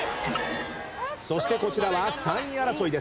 そしてこちらは３位争いです。